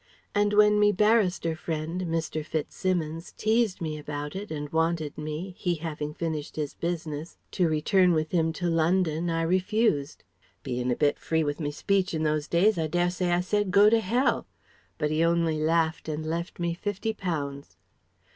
And when me barrister friend Mr. FitzSimmons teased me about it, and wanted me he having finished his business to return with him to London I refused. Bein' a bit free with me speech in those days I dessay I said 'Go to Hell.' But he only laughed and left me fifty pounds.